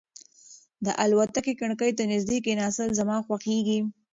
د الوتکې کړکۍ ته نږدې کېناستل زما خوښېږي.